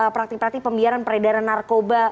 praktik praktik pembiaran peredaran narkoba